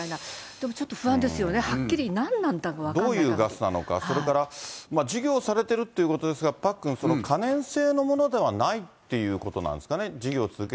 でもちょっと不安ですよね、はっきり、どういうガスなのか、それから授業されてるということですが、パックン、可燃性のものではないっていうことなんですかね。